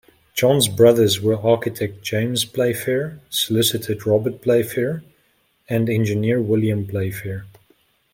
John's brothers were architect James Playfair, solicitor Robert Playfair and engineer William Playfair.